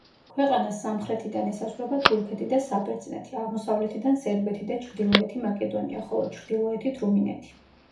ქვეყანას სამხრეთიდან ესაზღვრება თურქეთი და საბერძნეთი, აღმოსავლეთიდან სერბეთი და ჩრდილოეთი მაკედონია, ხოლო ჩრდილოეთით რუმინეთი.